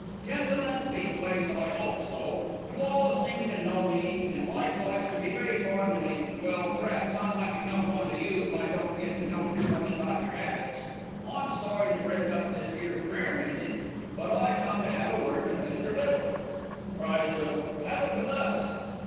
"Gentlemen leastways, I 'ope so. You all seem to know me, and likewise to be very fond o' me; well, p'r'aps I might become fond o' you if I don't get to know too much about yer 'abits. I'm sorry to break up this 'ere prayer meetin', but I come to 'ave a word with Mr. Little." (Cries of "Have it with us.")